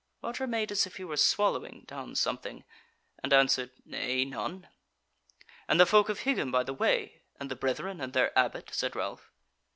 Roger made as if he were swallowing down something, and answered: "Nay, none." "And the folk of Higham by the Way, and the Brethren and their Abbot?" said Ralph.